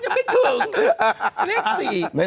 ฉันยังไม่คลึง